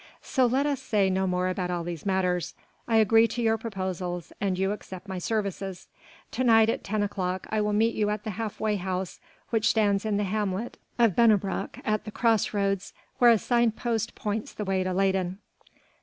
So let us say no more about all these matters. I agree to your proposals and you accept my services. To night at ten o'clock I will meet you at the half way house which stands in the hamlet of Bennebrock at the cross roads where a signpost points the way to Leyden."